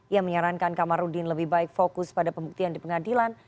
ia menyarankan kamarudin lebih baik fokus pada pembuktian di pengadilan